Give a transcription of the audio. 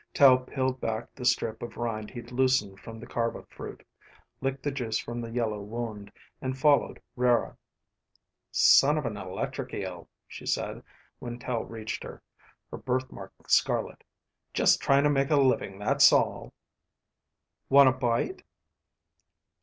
Tel peeled back the strip of rind he'd loosened from the kharba fruit, licked the juice from the yellow wound, and followed Rara. "Son of an electric eel," she said when Tel reached her, her birthmark scarlet. "Just trying to make a living, that's all." "Want a bite?"